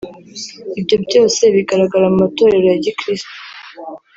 Ibyo byose bigaragara mu matorero ya Gikirisitu